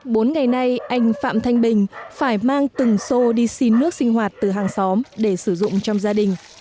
bốn ngày nay anh phạm thanh bình phải mang từng xô đi xin nước sinh hoạt từ hàng xóm để sử dụng trong gia đình